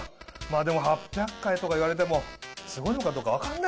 でも８００回とか言われてもすごいのかどうか分かんない。